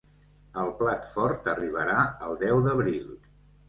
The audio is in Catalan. El plat fort arribarà el deu d’abril.